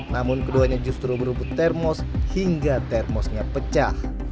namun keduanya justru berebut termos hingga termosnya pecah